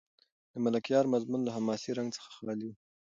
د ملکیار مضمون له حماسي رنګ څخه خالي و.